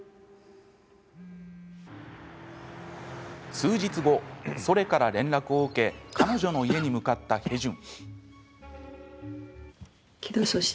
数日後、ソレから連絡を受け彼女の家に向かったヘジュン。